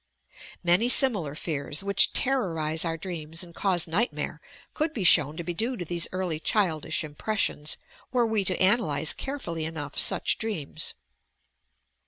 Many similar fears, which terrorize our dreams and cause nightmare, could be shown to be due to these early childish impressions, were we to analyse carefully enough such dreams.